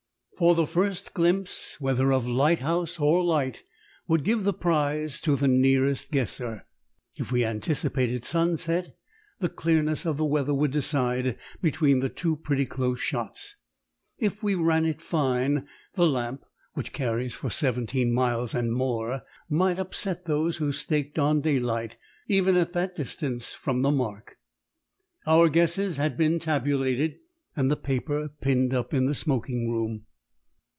For the first glimpse, whether of lighthouse or light, would give the prize to the nearest guesser. If we anticipated sunset, the clearness of the weather would decide between two pretty close shots: if we ran it fine, the lamp (which carries for seventeen miles and more) might upset those who staked on daylight even at that distance from the mark. Our guesses had been tabulated, and the paper pinned up in the smoking room.